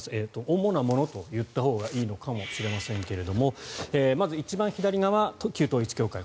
主なものと言ったほうがいいのかもしれませんがまず一番左側、旧統一教会。